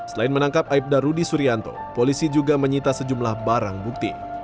selain menangkap aibda rudi suryanto polisi juga menyita sejumlah barang bukti